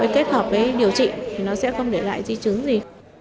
kết hợp với điều trị thì nó sẽ không để lại di chứng gì